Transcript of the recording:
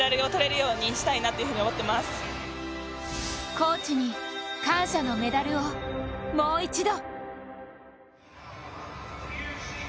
コーチに感謝のメダルをもう一度。